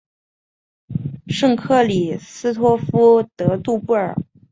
圣克里斯托夫德杜布尔。